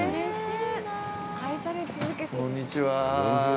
こんにちは。